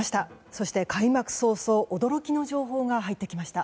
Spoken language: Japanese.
そして開幕早々驚きの情報が入ってきました。